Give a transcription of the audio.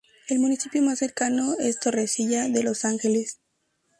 El municipio más cercano es Torrecilla de los Ángeles.